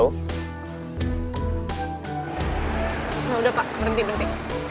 udah pak berhenti berhenti